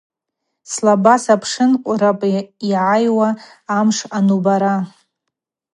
Слаба сапшын – къвырапӏ йгӏайуа амшв анубара.